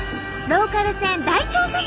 ローカル線大調査